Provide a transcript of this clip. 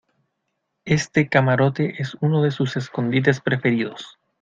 este camarote es uno de sus escondites preferidos.